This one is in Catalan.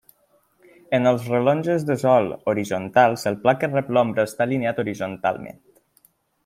En els rellotges de sol horitzontals el pla que rep l'ombra està alineat horitzontalment.